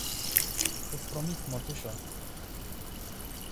Iti promit, matusa.